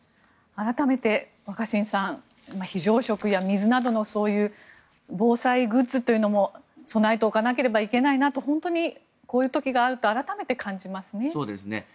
改めて若新さん非常食や水などの防災グッズというのも備えておかなければいけないなと本当にこういう時があると改めて感じますね。